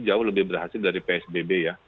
jauh lebih berhasil dari psbb ya